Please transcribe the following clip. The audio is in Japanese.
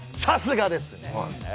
さすがですね！